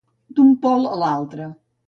D'un pol a l'altre.